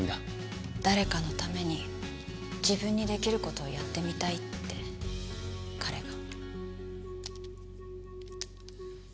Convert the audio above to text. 誰かのために自分にできる事をやってみたいって彼が。